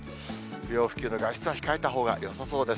不要不急の外出は控えたほうがよさそうです。